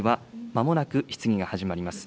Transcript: まもなく質疑が始まります。